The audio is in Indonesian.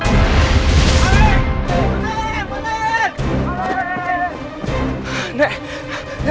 malik malik malik